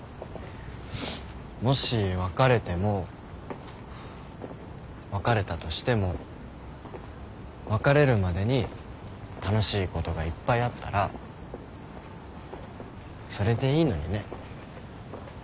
もし別れても別れたとしても別れるまでに楽しいことがいっぱいあったらそれでいいのにね。